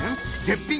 絶品！